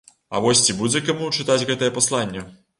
А вось ці будзе каму чытаць гэтае пасланне?